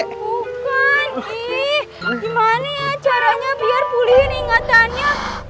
gimana ya caranya biar pulihin ingatannya